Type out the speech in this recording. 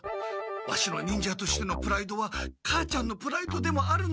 ワシの忍者としてのプライドは母ちゃんのプライドでもあるのだ！